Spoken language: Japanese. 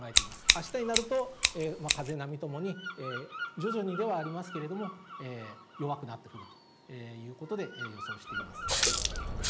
あしたになると、風、波ともに、徐々にではありますけれども、弱くなってくるということで予想しています。